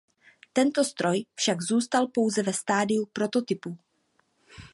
Tento stroj však zůstal pouze ve stádiu prototypu.